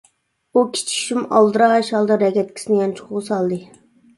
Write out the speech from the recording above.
ئۇ كىچىك شۇم ئالدىراش ھالدا رەگەتكىسىنى يانچۇقىغا سالدى.